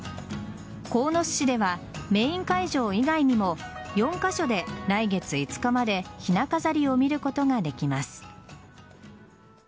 鴻巣市ではメイン会場以外にも４カ所で来月５日までひな飾りを見ることができます。